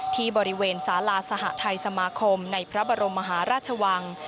ที่บริเวณสาลาสหทัยสมาคมในพระบรมมหาราชวัง